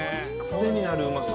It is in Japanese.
癖になるうまさ。